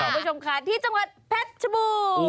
ขอบคุณผู้ชมค่ะที่จังหวัดแพทย์ชะบูร์